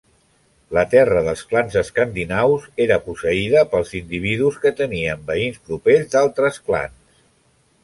La terra dels clans escandinaus era posseïda pels individus que tenien veïns propers d'altres clans.